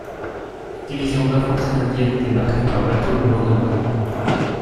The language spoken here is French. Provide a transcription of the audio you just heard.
La division d'infanterie indienne débarque par bateau le lendemain.